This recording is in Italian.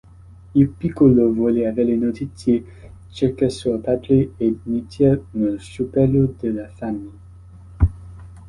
Il Piccolo vuole avere notizie circa suo padre ed inizia uno sciopero della fame.